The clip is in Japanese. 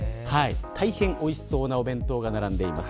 大変おいしそうなお弁当が並んでいます。